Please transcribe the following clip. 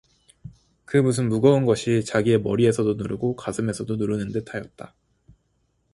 그 무슨 무거운 것이 자기의 머리에서도 누르고 가슴에서도 누르는 듯 하였다.